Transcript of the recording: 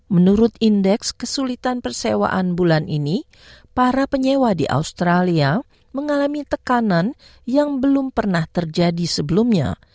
menurut indeks kesulitan persewaan bulan ini para penyewa di australia mengalami tekanan yang belum pernah terjadi sebelumnya